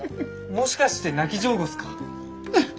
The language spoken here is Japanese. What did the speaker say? もしかして泣き上戸っすか？